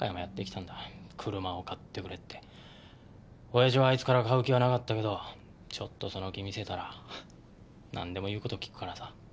親父はあいつから買う気はなかったけどちょっとその気見せたらなんでも言う事を聞くからさ。